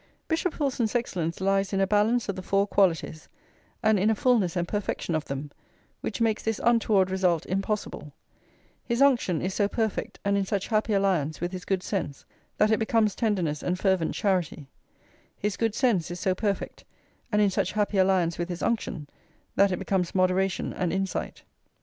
Bishop Wilson's excellence lies in a balance of the four qualities, and in a fulness and perfection of them, which makes this untoward result impossible; his unction is so perfect, and in such happy alliance with his good sense, that it becomes tenderness and fervent charity; his good sense is so perfect and in such happy alliance with his unction, that it becomes moderation and insight.